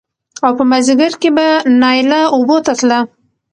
او په مازديګر کې به نايله اوبو ته تله